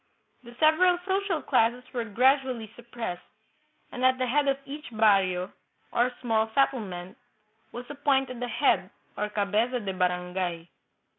The several social classes were gradually suppressed, and at the head of each barrio, or small settlement, was appointed a head, or cabeza de barangay.